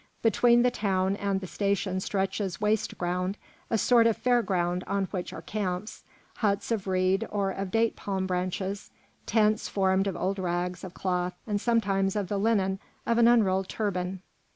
Between the town and the station stretches waste ground, a sort of fair ground, on which are camps, huts of reed or of date palm branches, tents formed of old rags of cloth and sometimes of the linen of an unrolled turban.